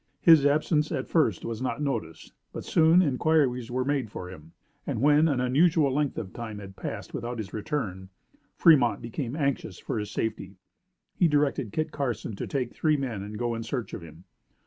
His absence, at first, was not noticed; but, soon, inquiries were made for him, and when an unusual length of time had passed without his return, Fremont became anxious for his safety. He directed Kit Carson to take three men and go in search of him.